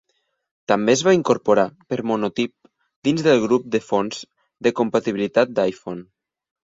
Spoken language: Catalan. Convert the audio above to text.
També es va incorporar per monotip dins del grup de fons de compatibilitat d"iPhone.